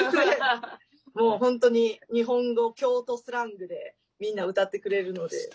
もう本当に日本語、京都スラングでみんな歌ってくれるので。